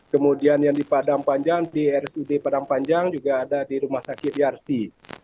kemudian yang di padang panjang di rsud padang panjang juga ada di rumah sakit yarsi